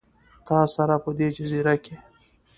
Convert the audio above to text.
تا سره، په دې جزیره کې